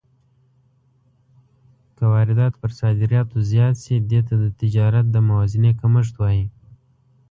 که واردات پر صادراتو زیات شي، دې ته د تجارت د موازنې کمښت وايي.